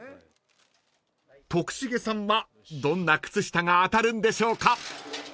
［徳重さんはどんな靴下が当たるんでしょうか］